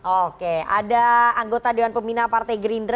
oke ada anggota dewan pembina partai gerindra